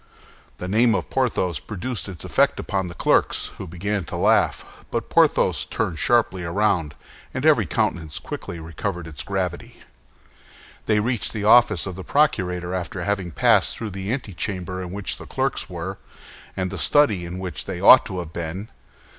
The name of Porthos produced its effect upon the clerks, who began to laugh; but Porthos turned sharply round, and every countenance quickly recovered its gravity. They reached the office of the procurator after having passed through the antechamber in which the clerks were, and the study in which they ought to have been.